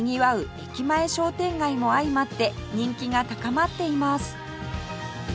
駅前商店街も相まって人気が高まっています